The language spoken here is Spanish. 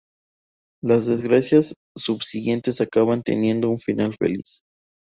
Las desgracias subsiguientes acaban teniendo un final feliz.